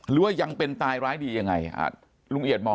หรือว่ายังเป็นตายร้ายดียังไงลุงเอียดมอง